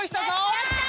やった！